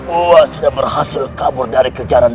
wah sudah berhasil kabur dari kejaran